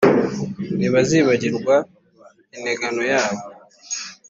ntibazibagirwe integano yabo